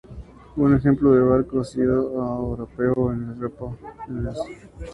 Un ejemplo de barco cosido no europeo es el proa de Micronesia.